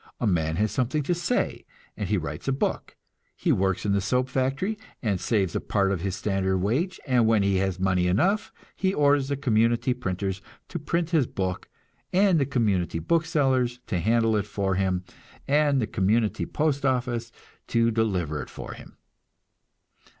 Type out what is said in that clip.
A man has something to say, and he writes a book; he works in the soap factory, and saves a part of his standard wage, and when he has money enough he orders the community printers to print his book, and the community booksellers to handle it for him, and the community postoffice to deliver it for him.